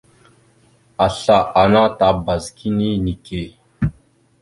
Asla ana tabaz kini neke.